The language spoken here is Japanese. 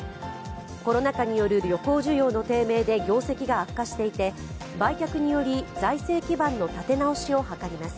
コロナ禍による旅行需要の低迷で業績が悪化していて、売却により財政基盤の立て直しを図ります。